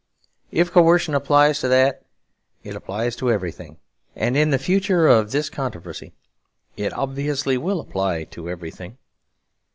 If coercion applies to that, it applies to everything; and in the future of this controversy it obviously will apply to everything.